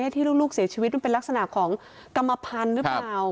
ที่ลูกเสียชีวิตมันเป็นลักษณะของกรรมพันธุ์หรือเปล่า